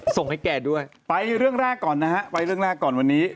ส่งให้แกด้วยไปเรื่องแรกก่อนนะฮะไปเรื่องแรกก่อนวันนี้